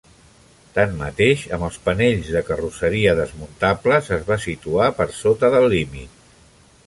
Tanmateix, amb els panells de carrosseria desmuntables es va situar per sota del límit.